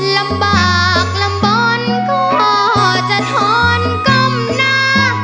ลำบากลำบลก็จะท้อนก้มหน้า